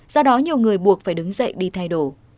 do đó nhiều người buộc phải đứng dậy đi thay đổi